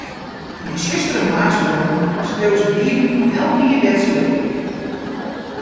Yn 'e tsjustere moarnsoeren skreau se brieven oan elkenien dêr't se lilk op wie.